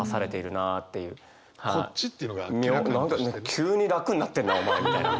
急に楽になってるなお前みたいな。